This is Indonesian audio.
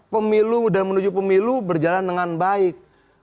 pemilu dan menuju pemilu berjalan dengan baik